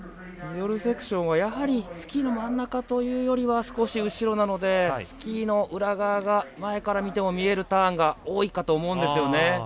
ミドルセクションはやはりスキーの真ん中というよりは少し後ろなのでスキーの裏側が前から見ても見えるターンが多いかと思うんですよね。